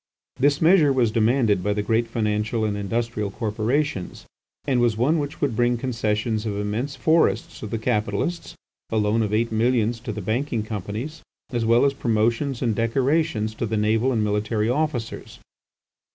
This measure was demanded by the great financial and industrial corporations and was one which would bring concessions of immense forests to the capitalists, a loan of eight millions to the banking companies, as well as promotions and decorations to the naval and military officers.